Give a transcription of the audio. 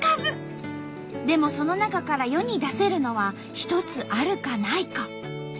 でもその中から世に出せるのは１つあるかないか。